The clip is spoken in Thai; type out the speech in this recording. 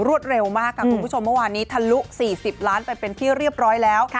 เร็วมากค่ะคุณผู้ชมเมื่อวานนี้ทะลุ๔๐ล้านไปเป็นที่เรียบร้อยแล้ว